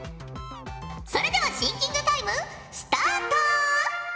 それではシンキングタイムスタート！